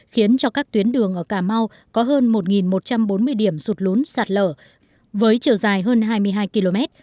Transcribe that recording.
khiến cho các tuyến đường ở cà mau có hơn một một trăm bốn mươi điểm sụt lún sạt lở với chiều dài hơn hai mươi hai km